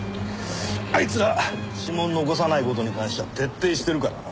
あいつら指紋を残さない事に関しちゃ徹底してるからな。